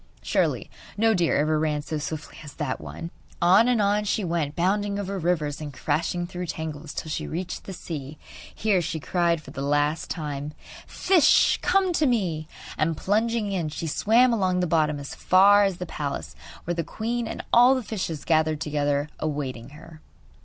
Surely no deer ever ran so swiftly as that one! On and on she went, bounding over rivers and crashing through tangles till she reached the sea. Here she cried for the last time: 'Fish, come to me!' And, plunging in, she swam along the bottom as far as the palace, where the queen and all the fishes gathered together awaiting her.